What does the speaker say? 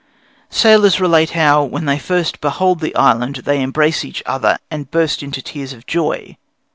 Sailors relate how, "when they first behold the island, they embrace each other and burst into tears of joy.